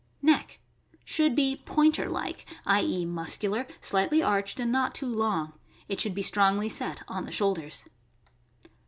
Neck. — Should be " Pointer like "— i. e., muscular, slightly arched, and not too long. It should be strongly set on the shoulders.